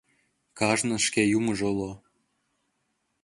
Кажнын шке Юмыжо уло.